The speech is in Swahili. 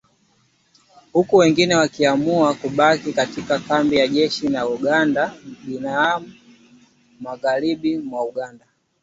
huku wengine wakiamua kubaki katika kambi ya jeshi la Uganda ya Bihanga, magharibi mwa Uganda